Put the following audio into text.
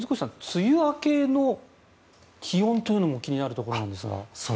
梅雨明けの気温というのも気になるところですが。